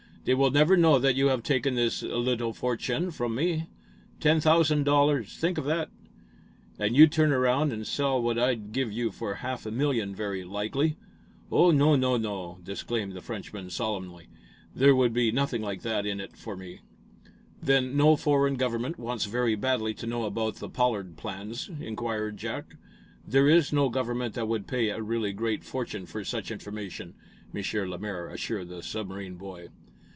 They will never know that you have taken this little fortune from me. Ten thousand dollars! Think of that!" "And you'd turn around and sell what I'd, give you for a half a million, very likely." "Oh, no, no, no!" disclaimed the Frenchman, solemnly. "There would be nothing like that in it for me." "Then no foreign government wants very badly to know about the Pollard plans," inquired Jack. "There is no government that would pay a really great fortune for such information,". M. Lemaire assured the submarine boy.